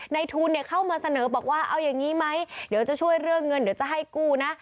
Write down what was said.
ในทุนเข้ามาเสนอบอกว่าเอาอย่างนี้ไหมเดี๋ยวจะช่วยเรื่องเงินเดี๋ยวจะให้กู้นะ